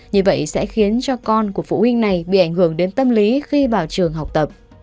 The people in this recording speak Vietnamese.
như vậy sẽ khiến cho con của phụ huynh này bị ảnh hưởng đến tâm lý khi vào trường học tập